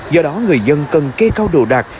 do đó người dân cần kê cao độ đạt